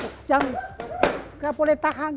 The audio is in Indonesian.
tidak boleh takang